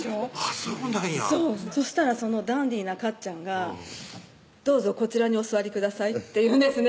そうなんやそしたらダンディーなかっちゃんが「どうぞこちらにお座りください」って言うんですね